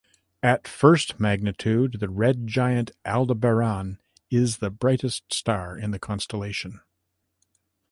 At first magnitude, the red giant Aldebaran is the brightest star in the constellation.